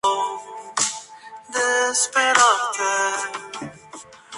Está bajo la conducción de Rodrigo Lussich y Carla Conte.